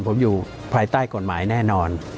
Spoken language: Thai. ผมอยู่ภายใต้กฎหมายแน่นอน